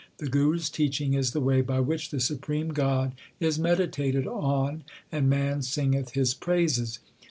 The Guru s teaching is the way by which the supreme God is meditated on, and man singeth His praises.